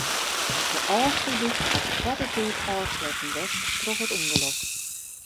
De Ofslútdyk hat koarte tiid ôfsletten west troch it ûngelok.